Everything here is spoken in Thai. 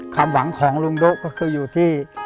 ความหวังของลุงโด๊ะก็คืออยู่ที่